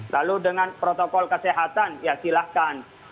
lalu dengan protokol kesehatan ya silahkan